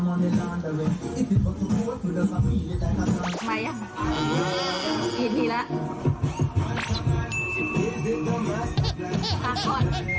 ไม่อ่ะอีกทีแล้ว